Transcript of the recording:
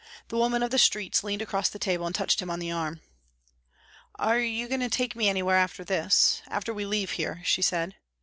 The woman of the streets leaned across the table and touched him on the arm. "Are you going to take me anywhere after this after we leave here?" she said.